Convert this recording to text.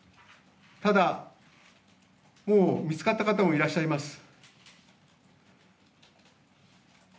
ただ、もう見つかった方もいらっしゃいます。